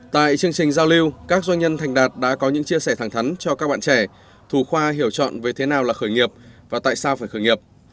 tại chương trình giao lưu các doanh nhân thành đạt đã có những chia sẻ thẳng thắn cho các bạn trẻ thủ khoa hiểu chọn về thế nào là khởi nghiệp và tại sao phải khởi nghiệp